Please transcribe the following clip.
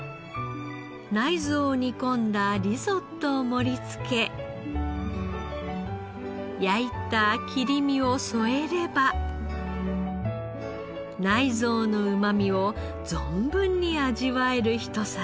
内臓を煮込んだリゾットを盛りつけ焼いた切り身を添えれば内臓のうまみを存分に味わえるひと皿。